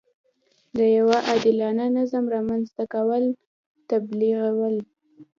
د یوه عادلانه نظام رامنځته کول تبلیغول.